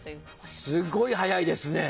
すごい早いですね。